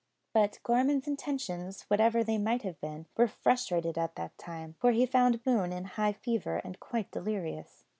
But Gorman's intentions, whatever they might have been, were frustrated at that time; for he found Boone in high fever, and quite delirious.